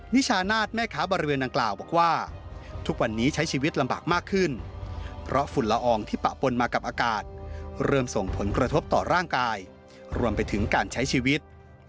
นิชานาศแม่ค้าบริเวณดังกล่าวบอกว่าทุกวันนี้ใช้ชีวิตลำบากมากขึ้นเพราะฝุ่นละอองที่ปะปนมากับอากาศเริ่มส่งผลกระทบต่อร่างกายรวมไปถึงการใช้ชีวิต